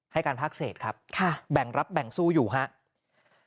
ให้การภาคเศษครับแบ่งรับแบ่งสู้อยู่ครับ